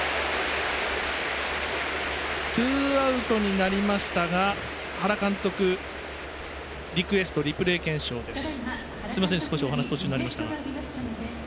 ツーアウトになりましたが原監督、リクエストリプレー検証です。